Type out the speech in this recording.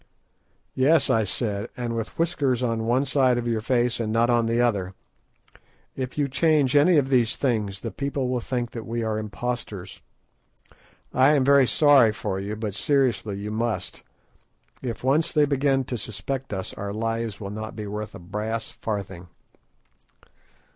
"Yes," I said, "and with whiskers on one side of your face and not on the other. If you change any of these things the people will think that we are impostors. I am very sorry for you, but, seriously, you must. If once they begin to suspect us our lives will not be worth a brass farthing."